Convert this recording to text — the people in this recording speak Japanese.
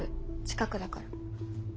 近くだから。